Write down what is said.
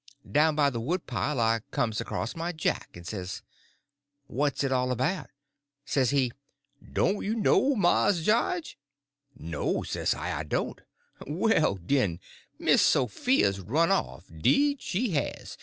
Down by the wood pile I comes across my Jack, and says: "What's it all about?" Says he: "Don't you know, Mars Jawge?" "No," says I, "I don't." "Well, den, Miss Sophia's run off! 'deed she has.